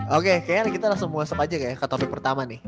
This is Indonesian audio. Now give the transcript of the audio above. oke kayaknya kita langsung masuk aja kayak ke topik pertama nih